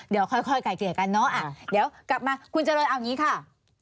เดี๋ยวค่อยไก่เกลี่ยกันเนอะเดี๋ยวกลับมาคุณเจริญเอาอย่างนี้ค่ะ